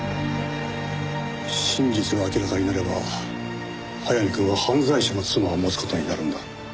真実が明らかになれば早見くんは犯罪者の妻を持つ事になるんだ。